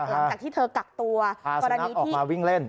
หลังจากที่เธอกักตัวกรณีออกมาวิ่งเล่น